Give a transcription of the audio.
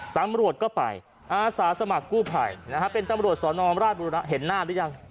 ตำรวจก็ไปอาสาสมัครกู้ภัยนะฮะเป็นตำรวจสอนอมราชบุรณะเห็นหน้าหรือยัง